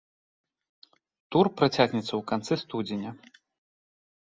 Тур працягнецца ў канцы студзеня.